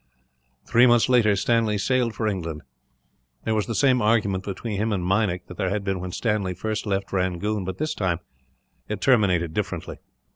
Three months later, Stanley sailed for England. There was the same argument between him and Meinik that there had been when Stanley first left Rangoon, but this time it terminated differently.